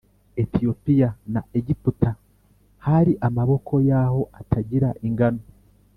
Etiyopiya na Egiputa hari amaboko yaho atagira ingano